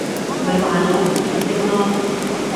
咪話咗唔想傾囉